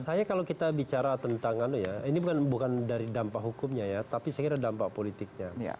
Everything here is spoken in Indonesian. saya kalau kita bicara tentang ini bukan dari dampak hukumnya ya tapi saya kira dampak politiknya